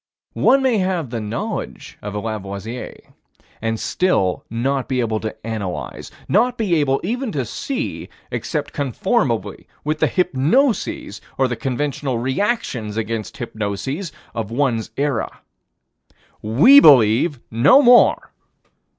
One may have the knowledge of a Lavoisier, and still not be able to analyze, not be able even to see, except conformably with the hypnoses, or the conventional reactions against hypnoses, of one's era. We believe no more.